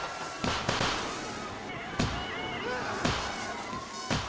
sekali lagi video ini memperlihatkan ancaman atau dampak negatif yang bisa ditimbulkan dari kehadiran senjata otonom